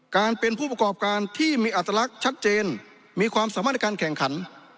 การเป็นผู้ประกอบการที่มีอัตลักษณ์ชัดเจนมีความสามารถในการแข่งขัน